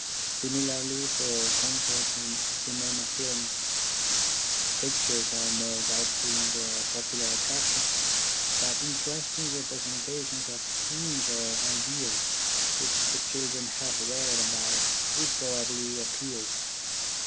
Similarly for concerts and cinema films. Pictures are more doubtful in their popu lar attraction ; but interesting representations of scenes or ideas which the children have read about would probably appeal.